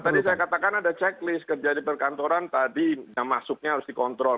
tadi saya katakan ada checklist kerja di perkantoran tadi yang masuknya harus dikontrol